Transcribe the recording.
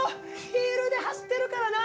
ヒールで走ってるからな！